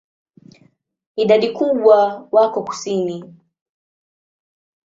Idadi kubwa wako kusini.